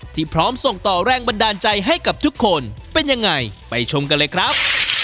พร้อมส่งต่อแรงบันดาลใจให้กับทุกคนเป็นยังไงไปชมกันเลยครับ